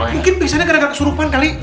mungkin misalnya gara gara kesurupan kali